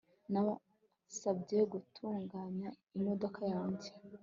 Nabasabye gutunganya imodoka yanjye